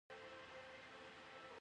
آیا دا د ایران ستراتیژیک ځواک نه دی؟